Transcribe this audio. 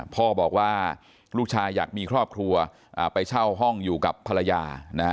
พ่อบอกว่าลูกชายอยากมีครอบครัวไปเช่าห้องอยู่กับภรรยา